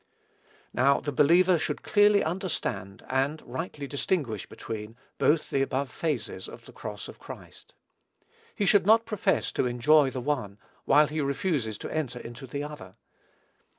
Now, the believer should clearly understand, and rightly distinguish between, both the above phases of the cross of Christ. He should not profess to enjoy the one, while he refuses to enter into the other.